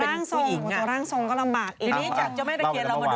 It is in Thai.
เรามาดูงูเหลือมกันนะครับ